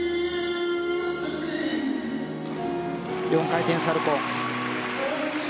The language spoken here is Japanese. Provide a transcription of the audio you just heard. ４回転サルコウ。